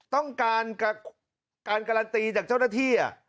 ต้องการการันตีจากเจ้าหน้าที่